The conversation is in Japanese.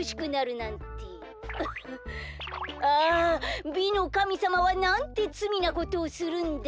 フッあ美のかみさまはなんてつみなことをするんだ。